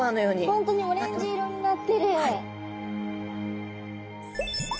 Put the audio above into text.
本当にオレンジ色になってる。